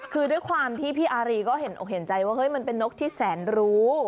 คือด้วยความที่พี่อารีก็เห็นอกเห็นใจว่าเฮ้ยมันเป็นนกที่แสนรู้